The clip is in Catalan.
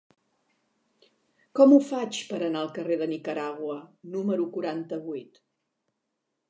Com ho faig per anar al carrer de Nicaragua número quaranta-vuit?